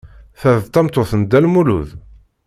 Ta d tameṭṭut n Dda Lmulud?